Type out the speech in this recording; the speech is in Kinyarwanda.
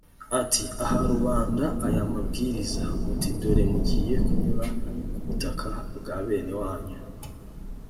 ati ha rubanda aya mabwiriza, uti dore mugiye kunyura ku butaka bwa bene wanyu